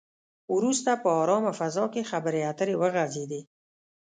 وروسته په ارامه فضا کې خبرې اترې وغځېدې.